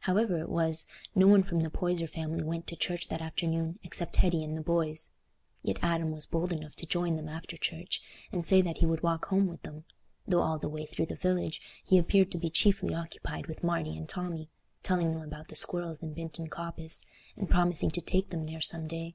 However it was, no one from the Poyser family went to church that afternoon except Hetty and the boys; yet Adam was bold enough to join them after church, and say that he would walk home with them, though all the way through the village he appeared to be chiefly occupied with Marty and Tommy, telling them about the squirrels in Binton Coppice, and promising to take them there some day.